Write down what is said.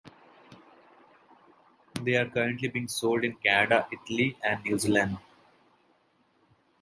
They are currently being sold in Canada, Italy and New Zealand.